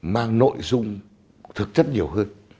mang nội dung thực chất nhiều hơn